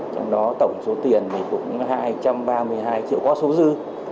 trong đó tổng số tiền thì cũng hai trăm ba mươi hai triệu qua số dư